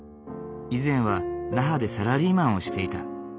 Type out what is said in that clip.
以前は那覇でサラリーマンをしていた。